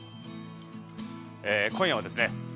今夜はですね